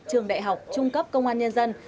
trường đại học trung cấp công an nhân dân